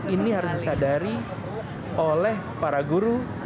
ini harus disadari oleh para guru